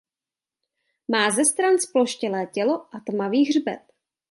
Má ze stran zploštělé tělo a tmavý hřbet.